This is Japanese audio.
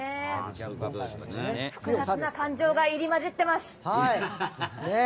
複雑な感情が入り混じっています。